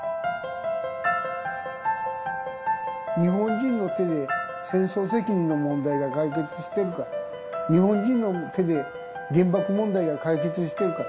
日本人の手で戦争責任の問題が解決してるか日本人の手で原爆問題が解決してるか。